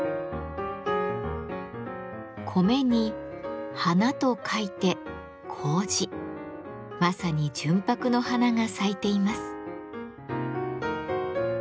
米に花と書いて「糀」まさに純白の花が咲いています。